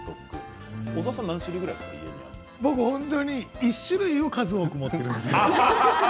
僕は種類も数多く持っているんです。